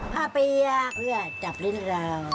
ผ้าเปียกเพื่อจับลิ้นราว